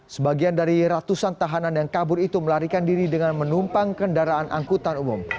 sebagian dari ratusan tahanan yang kabur itu melarikan diri dengan menumpang kendaraan angkutan umum